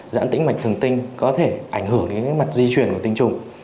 dãn tĩnh mạch thường tinh có thể ảnh hưởng đến mặt di chuyển của tinh trùng